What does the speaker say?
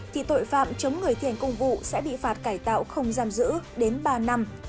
thì tội phạm chống người thiền công vụ sẽ bị phạt cải tạo không giam giữ đến ba năm